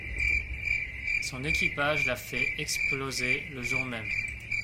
Son équipage l'a fait exploser le jour même.